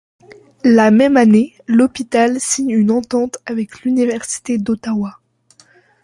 La même année, l’Hôpital signe une entente avec l’Université d’Ottawa.